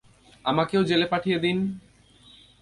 আমাকেও জেলে পাঠিয়ে দিন।